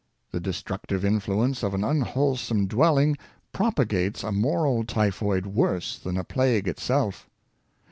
The destructive influence of an un wholesome dwelling propagates a moral typhoid worse than a plague itself.